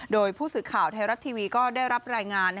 โดยผู้สื่อข่าวไทยรัฐทีวีก็ได้รับรายงาน